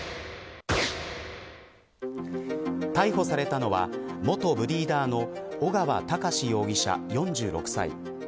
逮捕されたのは、元ブリーダーの尾川隆容疑者、４６歳。